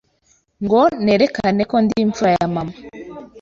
ngo nerekane ko ndi imfura ya mama.